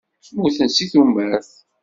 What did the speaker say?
Mmuten seg tumert.